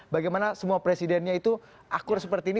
bagaimana semua presidennya itu akur seperti ini